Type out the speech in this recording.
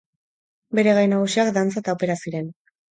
Bere gai nagusiak dantza eta opera ziren.